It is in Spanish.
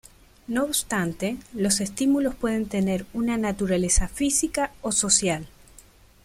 No obstante, los estímulos pueden tener una naturaleza física o social.